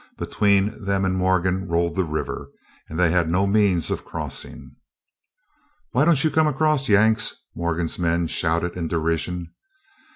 Between them and Morgan rolled the river, and they had no means of crossing. "Why don't you come across, Yanks?" Morgan's men shouted in derision.